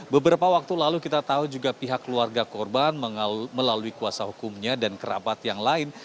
beberapa waktu lalu kita tahu juga pihak keluarga korban melalui kuasa hukumnya dan kerabat yang lain